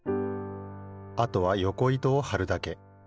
あとはよこ糸をはるだけ。